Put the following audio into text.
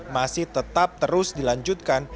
masih tetap terus dilanjutkan